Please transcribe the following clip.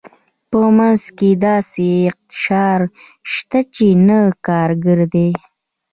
په منځ کې داسې اقشار شته چې نه کارګر دي.